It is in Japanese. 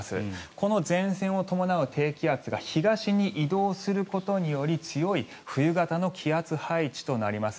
この前線を伴う低気圧が東に移動することにより強い冬型の気圧配置となります。